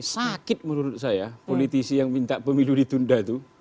sakit menurut saya politisi yang minta pemilu ditunda itu